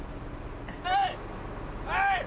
はい！